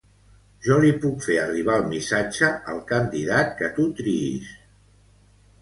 Jo li puc fer arribar el missatge al candidat que tu triïs.